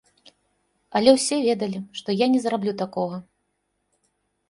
Але ўсе ведалі, што я не зраблю такога.